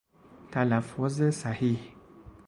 تلفظ صحیح